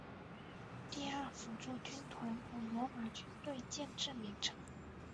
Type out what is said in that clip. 第二辅助军团古罗马军队建制名称。